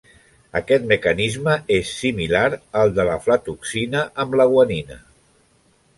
Aquest mecanisme és similar al de l'aflatoxina amb la guanina.